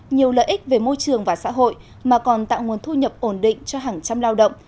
nhiều lợi ích về môi trường và xã hội mà còn tạo nguồn thu nhập ổn định cho hàng trăm lao động